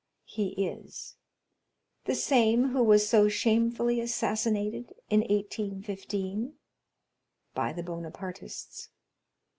"He is." "The same who was so shamefully assassinated in 1815?" "By the Bonapartists."